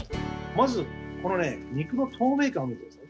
まず肉の透明感を見てください。